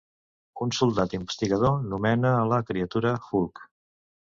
Un soldat investigador nomena a la criatura "Hulk".